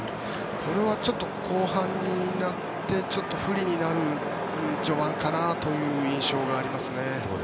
これはちょっと後半になって不利になる序盤かなという印象がありますね。